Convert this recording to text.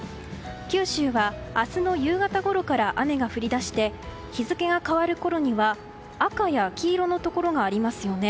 九州は明日の夕方ごろから雨が降り出して日付が変わるころには赤や黄色のところがありますよね。